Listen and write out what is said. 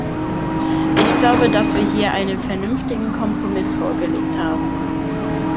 Ich glaube, dass wir hier einen vernünftigen Kompromiss vorgelegt haben.